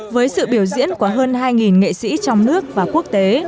với sự biểu diễn của hơn hai nghệ sĩ trong nước và quốc tế